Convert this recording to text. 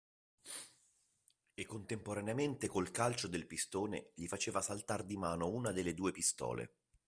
E contemporaneamente col calcio del pistone gli faceva saltar di mano una delle due pistole